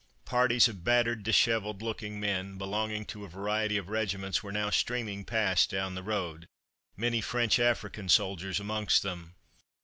Parties of battered, dishevelled looking men, belonging to a variety of regiments, were now streaming past down the road many French African soldiers amongst them.